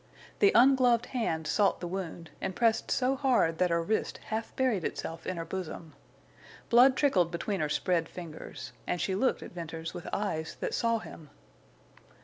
The ungloved hand sought the wound, and pressed so hard that her wrist half buried itself in her bosom. Blood trickled between her spread fingers. And she looked at Venters with eyes that saw him.